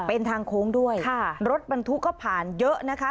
เป็นทางโค้งด้วยค่ะรถบรรทุกก็ผ่านเยอะนะคะ